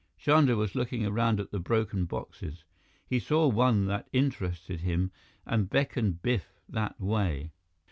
Chandra was looking around at the broken boxes. He saw one that interested him and beckoned Biff that way.